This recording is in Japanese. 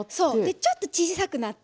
ちょっと小さくなって。